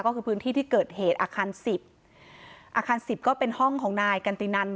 ก็คือพื้นที่ที่เกิดเหตุอาคารสิบอาคารสิบก็เป็นห้องของนายกันตินัน